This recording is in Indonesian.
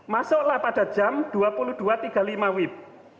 masuklah pada jam dua puluh dua tiga puluh lima wib